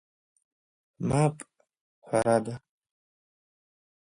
Мап, ҳәарада!